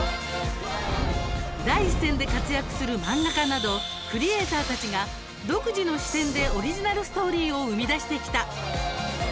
第一線で活躍する漫画家などクリエーターたちが独自の視点でオリジナルストーリーを生み出してきた。